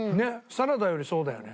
サラダよりそうだよね。